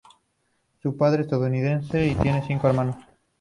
Su padre es estadounidense y tiene cinco hermanos.